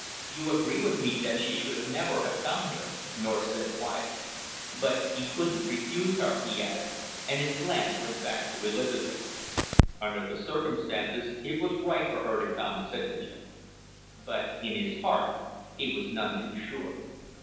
"You agree with me that she should never have come here," North said quietly. "But you couldn't refuse her!" he added, and his glance went back to Elizabeth. "Under the circumstances it was right for her to come!" said the general. But in his heart he was none too sure.